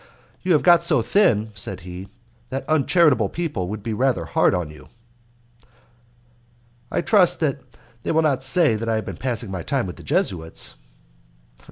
"You have got so thin," said he, "that uncharitable people will be rather hard on you." "I trust they will not say that I have been passing my time with the Jesuits."